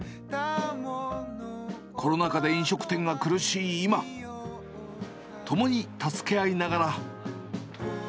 コロナ禍で飲食店が苦しい今、ともに助け合いながら。